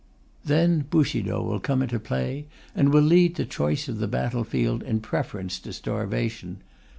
Then Bushido will come into play, and will lead to choice of the battlefield in preference to starvation.